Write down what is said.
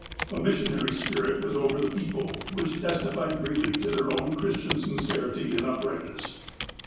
A missionary spirit was over the people, which testi fied greatly to their own Christian sincerity and upright ness.